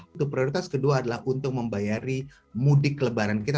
untuk prioritas kedua adalah untuk membayari mudik lebaran kita